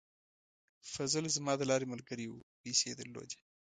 فضل زما د لارې ملګری و او پیسې یې درلودې.